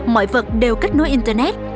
mọi vật đều kết nối internet